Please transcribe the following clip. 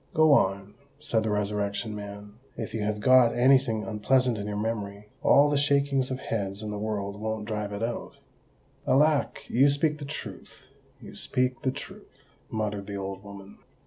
"Go on," said the Resurrection Man. "If you have got any thing unpleasant in your memory, all the shakings of heads in the world won't drive it out." "Alack! you speak the truth—you speak the truth," muttered the old woman.